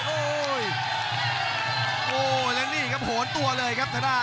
โอ้โหโอ้แล้วนี่ครับโหนตัวเลยครับทางด้าน